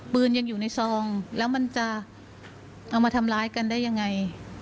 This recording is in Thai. ปืนยังอยู่ในซองแล้วมันจะเอามาทำร้ายกันได้ยังไง